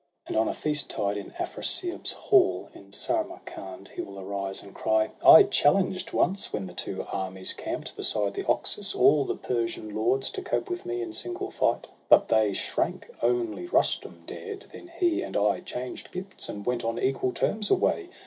And on a feast tide, in Afrasiab's hall, In Samarcand, he will arise and cry: " I challenged once, when the two armies camp'd Beside the Oxus, all the Persian lords To cope with me in single fight; but they Shrank, only Rustum dared ; then he and I Changed gifts, and went on equal terms away."